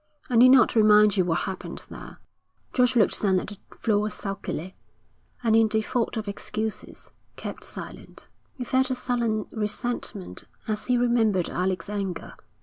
I need not remind you what happened there.' George looked down at the floor sulkily, and in default of excuses, kept silent. He felt a sullen resentment as he remembered Alec's anger.